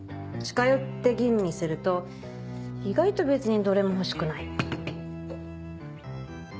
近寄って吟味すると意外と別にどれも欲しくない。